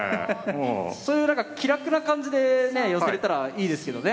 そういうなんか気楽な感じでね寄せれたらいいですけどね。